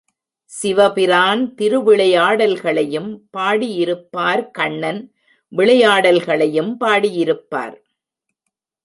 சிவ பிரான் திருவிளையாடல்களையும் பாடியிருப்பார் கண்ணன் விளையாடல்களையும் பாடியிருப்பார்.